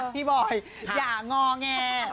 พี่บอยอย่างงอแง